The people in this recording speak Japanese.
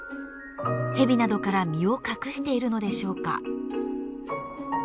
ヘビなどから身を隠しているのでしょうか。